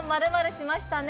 ○○しましたね」